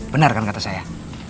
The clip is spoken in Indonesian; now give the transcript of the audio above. benar kan kata saya